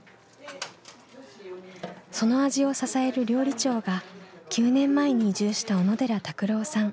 その味を支える料理長が９年前に移住した小野寺拓郎さん。